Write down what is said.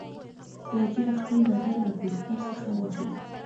ناجیه خپل نظر له پوسټر څخه واخیست